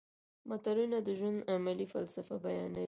متلونه د ژوند عملي فلسفه بیانوي